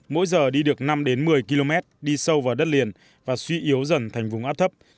mỗi giờ đi được năm một mươi km đi sâu vào đất liền và suy yếu dần thành vùng áp thấp